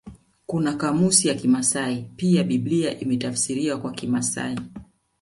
Kuna kamusi ya kimasai pia Biblia imetafsiriwa kwa kimasai